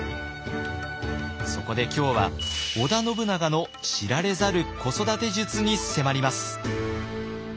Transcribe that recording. そこで今日は織田信長の知られざる子育て術に迫ります。